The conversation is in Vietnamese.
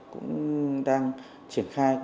cũng đang triển khai